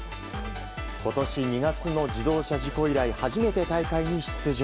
今年２月の自動車事故以来初めて大会に出場。